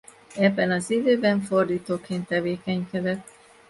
Ebben az időben fordítóként tevékenykedett.